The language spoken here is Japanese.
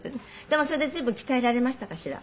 でもそれで随分鍛えられましたかしら？